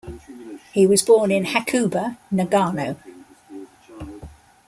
He was born in Hakuba, Nagano.